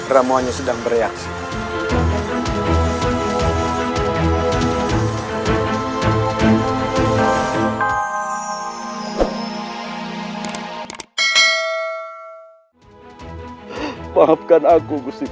ramuannya sedang bereaksi